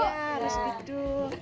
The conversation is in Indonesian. iya harus begitu